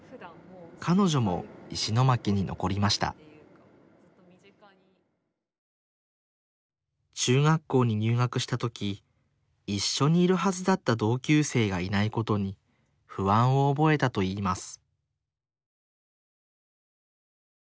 彼女も石巻に残りました中学校に入学した時一緒にいるはずだった同級生がいないことに不安を覚えたといいます